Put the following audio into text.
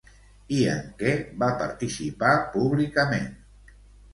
I en què va participar públicament?